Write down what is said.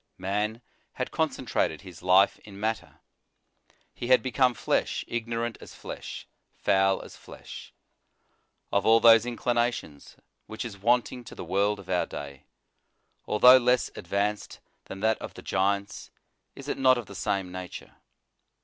Man had concentrated his life in matter. He In the Nineteenth Century. 87 had become flesh, ignorant as flesh, foul as flesh.* Of all those inclinations, which is wanting to the world of our day? Although less advanced than that of the giants, is it not of the same nature?